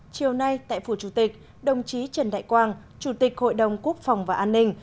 chiều nay tại phủ chủ tịch đồng chí trần đại quang chủ tịch hội đồng quốc phòng và an ninh